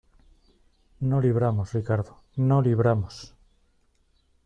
no libramos, Ricardo. ¡ no libramos!